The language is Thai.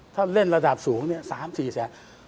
ถ้าเล่นระดับสูงเนี่ย๓๔แสน